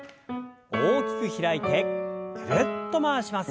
大きく開いてぐるっと回します。